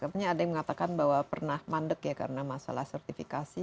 katanya ada yang mengatakan bahwa pernah mandek ya karena masalah sertifikasi